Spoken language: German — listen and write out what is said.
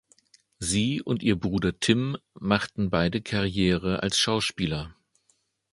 Sie und ihr Bruder Tim machten beide Karriere als Schauspieler.